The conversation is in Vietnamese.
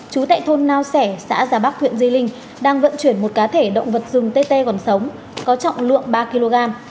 chú tại thôn nao sẻ xã già bắc huyện di linh đang vận chuyển một cá thể động vật rừng tê tê còn sống có trọng lượng ba kg